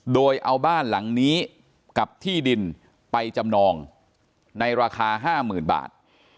โดยเอาบ้านหลังนี้กับที่ดินไปจำนองในราคา๕๐๐๐บาท